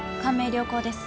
良好です。